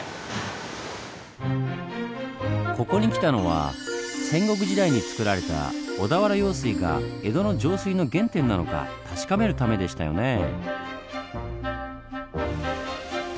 ここに来たのは戦国時代につくられた小田原用水が江戸の上水の原点なのか確かめるためでしたよね。と